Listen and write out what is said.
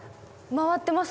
回ってます。